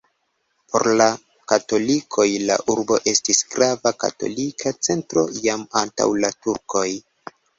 Por la katolikoj la urbo estis grava katolika centro jam antaŭ la turkoj.